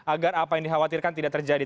agar apa yang dikhawatirkan tidak terjadi